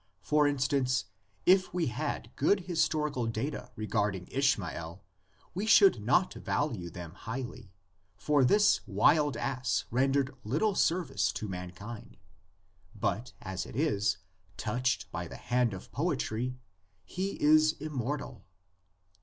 For instance, if we had good historical data regard ing Ishmael we should not value them highly, for this "wild ass" rendered little service to mankind; but as it is, touched by the hand of poetry, he is immortal.